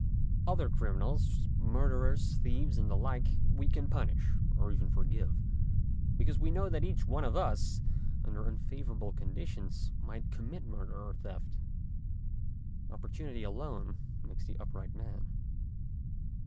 Other criminals, murderers, thieves, and the like, we can punish or even forgive, because we know that each one of us under unfavourable conditions might commit murder or theft ; opportunity alone makes the upright man.